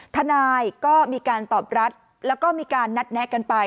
ทนายก็มีการตอบรับแล้วก็มีการนัดแนะกันไป